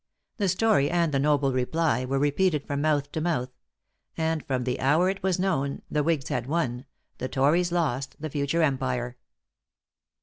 The story, and the noble reply, were repeated from mouth to mouth; and from the hour it was known, the whigs had. won the tories lost the future empire."